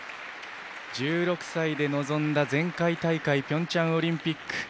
１６歳で臨んだ前回大会ピョンチャンオリンピック。